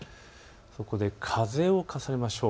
そこで風を重ねましょう。